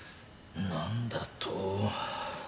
何だと。